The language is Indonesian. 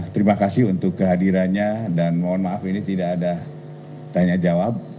terima kasih untuk kehadirannya dan mohon maaf ini tidak ada tanya jawab